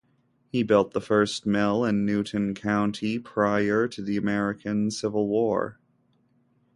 He built the first mill in Newton County prior to the American Civil War.